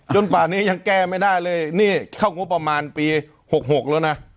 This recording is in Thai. ป่านนี้ยังแก้ไม่ได้เลยนี่เข้างบประมาณปี๖๖แล้วนะ